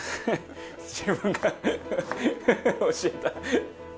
自分が教えた。